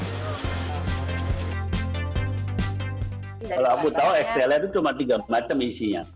kalau aku tahu ekstraler itu cuma tiga macam isinya